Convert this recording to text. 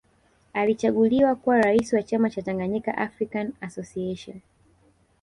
Alichaguliwa kuwa raisi wa chama cha Tanganyika African Association